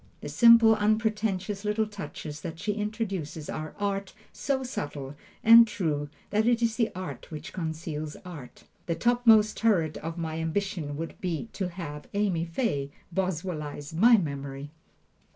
The simple, unpretentious little touches that she introduces are art so subtile and true that it is the art which conceals art. The topmost turret of my ambition would be to have Amy Fay Boswellize my memory.